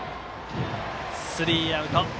スリーアウト。